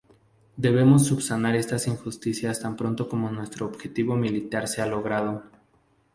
Deberemos subsanar estas injusticias tan pronto como nuestro objetivo militar sea logrado.